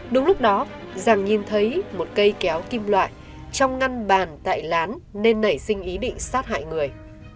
đúng lúc đó giàng nhìn thấy một cây kéo kim loại trong ngăn bàn tại lán nên nảy sinh ý định sát hại người